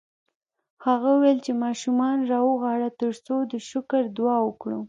هغه وویل چې ماشومان راوغواړه ترڅو د شکر دعا وکړو